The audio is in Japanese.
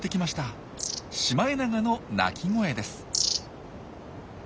シマエナガの鳴き声です。